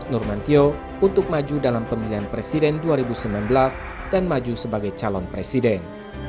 nurmantio untuk maju dalam pemilihan presiden dua ribu sembilan belas dan maju sebagai calon presiden